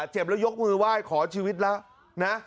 เจ็บแล้วยกมือไหว้ขอชีวิตแล้วนะ